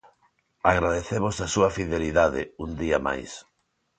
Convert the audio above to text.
Agradecemos a súa fidelidade, un día máis.